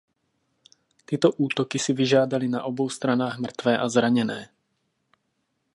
Tyto útoky si vyžádaly na obou stranách mrtvé a zraněné.